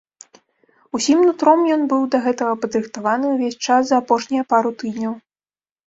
Усім нутром ён быў да гэтага падрыхтаваны ўвесь час за апошнія пару тыдняў.